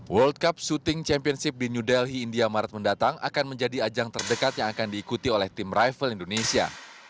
world cup syuting championship di new delhi india maret mendatang akan menjadi ajang terdekat yang akan diikuti oleh tim rival indonesia